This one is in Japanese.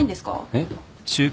えっ？